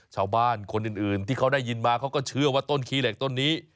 ชาวบ้านคนอื่นที่เขาได้ยินมาเขาก็เชื่อว่าต้นขี้เหล็กต้นนี้